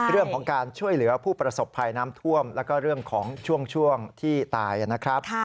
เรื่องของการช่วยเหลือผู้ประสบภัยน้ำท่วมแล้วก็เรื่องของช่วงที่ตายนะครับ